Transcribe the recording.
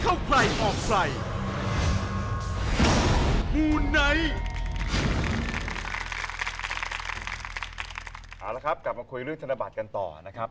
เอาละครับกลับมาคุยเรื่องธนบัตรกันต่อนะครับ